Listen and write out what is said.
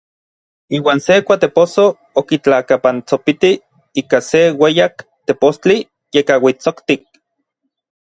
Iuan se kuatepossoj okitlakapantsopitij ika se ueyak tepostli yekauitsoktik.